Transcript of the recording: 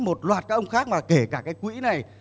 một loạt các ông khác mà kể cả cái quỹ này